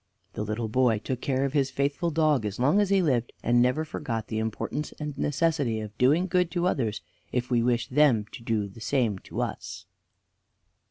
The little boy took care of his faithful dog as long as he lived, and never forgot the importance and necessity of doing good to others if we wish them to do the same to us.